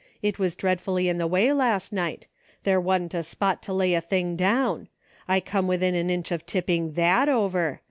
It was dreadfully in the way last night ; there wa'n't a spot to lay a thing down ; I come within an inch of tipping t/iat over.